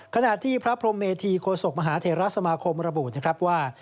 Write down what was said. ขณะที่พระพรมเมธีโฆษกมหาเทราสมาคมระบุว่า